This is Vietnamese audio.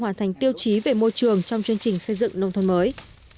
và đã hoàn thành tiêu chí về môi trường trong chương trình xây dựng nông thôn mới